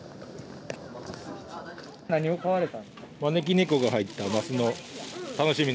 何を買われた。